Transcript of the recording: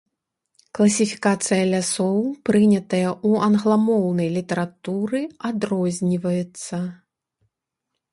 Класіфікацыя лясоў, прынятая ў англамоўнай літаратуры, адрозніваецца.